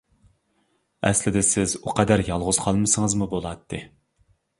ئەسلىدە سىز ئۇ قەدەر يالغۇز قالمىسىڭىزمۇ بولاتتى.